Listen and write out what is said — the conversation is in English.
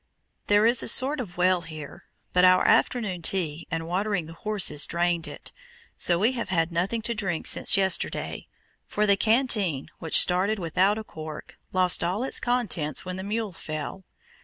There is a sort of well here, but our "afternoon tea" and watering the horses drained it, so we have had nothing to drink since yesterday, for the canteen, which started without a cork, lost all its contents when the mule fell.